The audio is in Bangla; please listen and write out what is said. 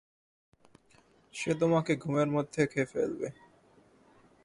সে তোমাকে ঘুমের মধ্যে খেয়ে ফেলবে।